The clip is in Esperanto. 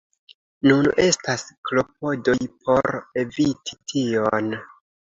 Nun estas klopodoj por eviti tion.